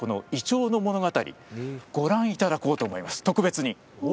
イチョウの物語をご覧いただこうと思います特別に。